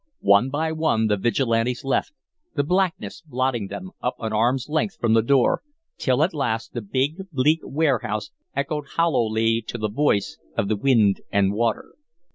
One by one the Vigilantes left, the blackness blotting them up an arm's length from the door, till at last the big, bleak warehouse echoed hollowly to the voice of the wind and water.